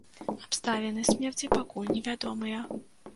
Абставіны смерці пакуль невядомыя.